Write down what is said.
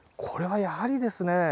これはやはりですね